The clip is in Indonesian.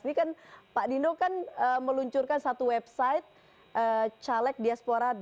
ini kan pak dino kan meluncurkan satu website calegdiaspora org apakah tahu